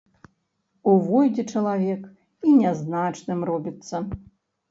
Увойдзе чалавек і нязначным робіцца.